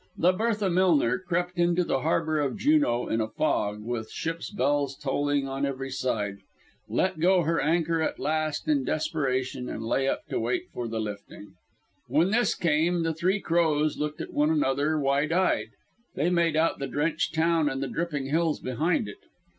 The Bertha Millner crept into the harbour of Juneau in a fog, with ships' bells tolling on every side, let go her anchor at last in desperation and lay up to wait for the lifting. When this came the Three Crows looked at one another wide eyed. They made out the drenched town and the dripping hills behind it.